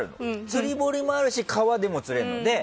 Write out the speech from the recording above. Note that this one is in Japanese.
釣り堀もあるし川でも釣れるの。